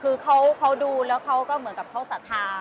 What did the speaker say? คือเขาดูแล้วเขาก็เหมือนกับเขาศรัทธา